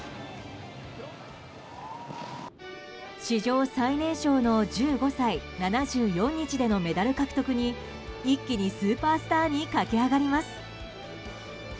史上最年少の１５歳７４日でのメダル獲得に一気にスーパースターに駆け上がります。